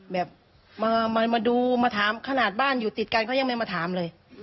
แบบมาดูมาถามขนาดบ้านอยู่ติดกันเขายังไม่มาถามเลย